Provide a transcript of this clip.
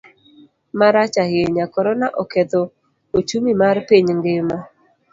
Marach ahinya, Korona oketho ochumi mar piny ngima.